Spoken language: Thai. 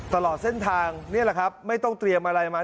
ตลอดเส้นทางนี่แหละครับไม่ต้องเตรียมอะไรมา